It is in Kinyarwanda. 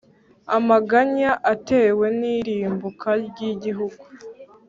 Amaganya atewe n’irimbuka ry’igihugu